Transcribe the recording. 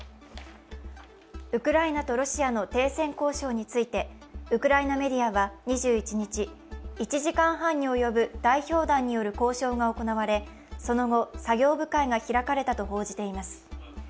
ウクライナとロシアの停戦交渉について、ウクライナメディアは２１日１時間半に及ぶ代表団による交渉が行われその後、作業部会が開かれたと報じています。